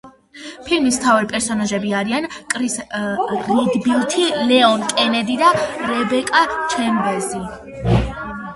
ფილმის მთავარი პერსონაჟები არიან კრის რედფილდი, ლეონ კენედი და რებეკა ჩემბერზი.